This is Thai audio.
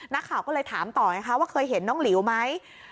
นักข่าวก็เลยถามต่อไงคะว่าเคยเห็นน้องหลิวไหม